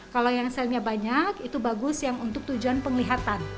kalau yang selnya banyak itu bagus yang untuk tujuan penglihatan